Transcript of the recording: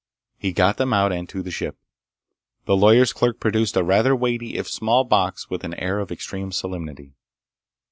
He got them out and to the ship. The lawyer's clerk produced a rather weighty if small box with an air of extreme solemnity.